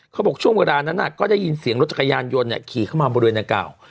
เขาบอกช่วงเวลานั้นก็ได้ยินเสียงรถจักรยานยนต์ขี่เข้ามาบริเวณนางกล่าว